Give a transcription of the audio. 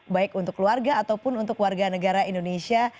baik untuk keluarga ataupun untuk warga negara indonesia